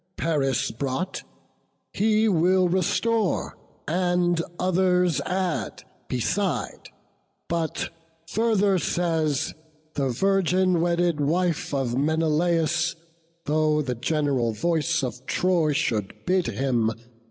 Paris brought, He will restore, and others add beside; But further says, the virgin wedded wife Of Menelaus, though the gen'ral voice Of Troy should bid him.